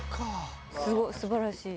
すごい！素晴らしい！